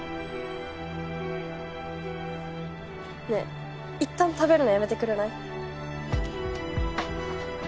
ねえいったん食べるのやめてくれない？